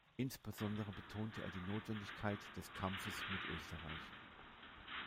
Insbesondere betonte er die Notwendigkeit des Kampfes mit Österreich.